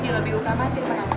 di lebih utama terima kasih